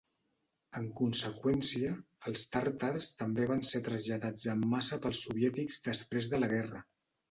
En conseqüència, els tàrtars també van ser traslladats en massa pels soviètics després de la guerra.